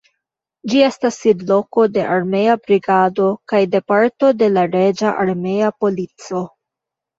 Ĝi estas sidloko de armea brigado kaj de parto de la reĝa armea polico.